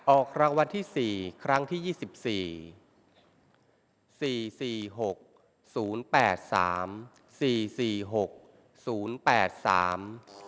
ออกรางวัลที่สี่ครั้งที่ยี่สิบสาม